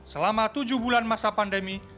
selama tujuh bulan masa pandemi